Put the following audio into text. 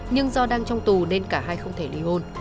nhưng do đang trong tù nên cả hai không thể ly hôn